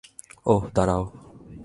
ওহ, দাঁড়াও।